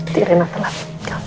tiriin aku lagi